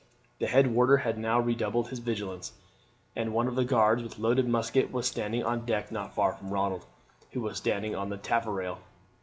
The head warder had now redoubled his vigilance, and one of the guards with loaded musket was standing on the deck not far from Ronald, who was standing on the taffrail.